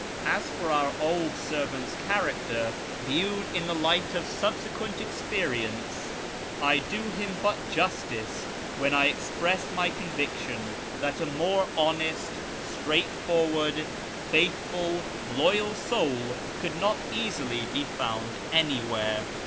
As for our old servant's character, viewed in the light of subsequent experience, I do him but justice when I express my conviction that a more honest, straightforward, faithful, loyal soul could not easily be found anywhere.